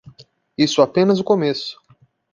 Isso é apenas o começo.